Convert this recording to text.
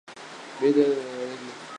Militante en el Herrerismo.